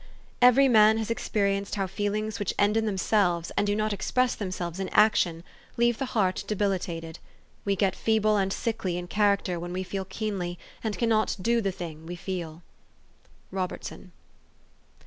Every man has experienced how feelings which end in them selves, and do not express themselves in action, leave the heart de hilitated. We get feeble and sickly in character when we feel keenly, and cannot do the thing we feel." ROBERTSON.